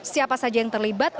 siapa saja yang terlibat